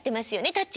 「タッチ」